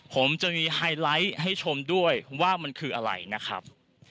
ผมจะมีไฮไลท์ให้ชมด้วยว่ามันคืออะไรนะครับ